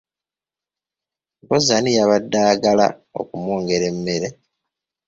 Mpozzi ani yabadde agala okumwongera emmere?